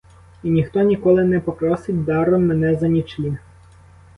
І ніхто ніколи не попросить даром мене за нічліг.